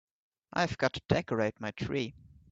I've got to decorate my tree.